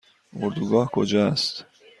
اردوگاه کجا است؟